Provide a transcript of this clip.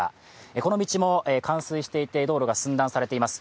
この道も冠水していて、道路が寸断されています。